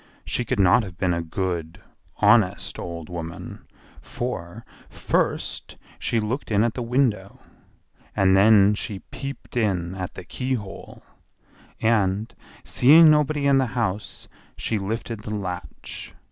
She could not have been a good, honest, old woman; for, first, she looked in at the window, and then she peeped in at the keyhole, and, seeing nobody in the house, she lifted the latch.